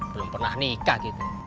belum pernah nikah gitu